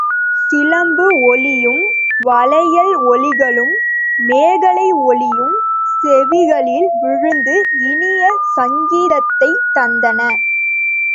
சிலம்பு ஒலியும், வளையல் ஒலிகளும், மேகலை ஒலியும் செவிகளில் விழுந்து இனிய சங்கீதத்தைத் தந்தன.